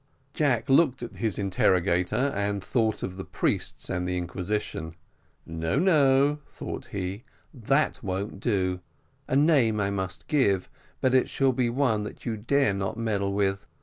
Jack looked at his interrogator, and thought of the priests and the inquisition. "No, no," thought he, "that won't do; a name I must give, but it shall be one that you dare not meddle with.